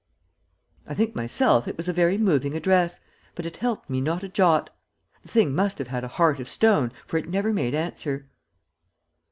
I think myself it was a very moving address, but it helped me not a jot. The thing must have had a heart of stone, for it never made answer.